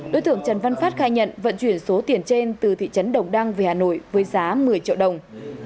đối tượng trần văn phát khai nhận vận chuyển số tiền trên từ thị trấn đồng đăng về hà nội với giá một mươi triệu đồng